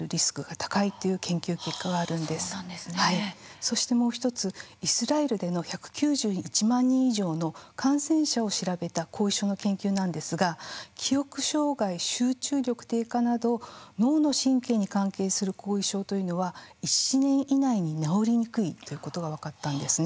そしてもう一つイスラエルでの１９１万人以上の感染者を調べた後遺症の研究なんですが記憶障害集中力低下など脳の神経に関係する後遺症というのは１年以内に治りにくいということが分かったんですね。